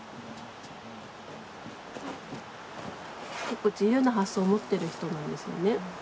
結構自由な発想を持ってる人なんですよね。